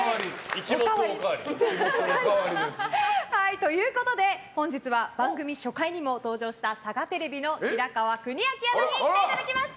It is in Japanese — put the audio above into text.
ということで本日は番組初回にも登場したサガテレビの平川邦明アナに来ていただきました。